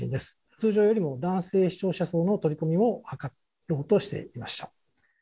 通常よりも男性視聴者層の取り込みを図ろうとしていました。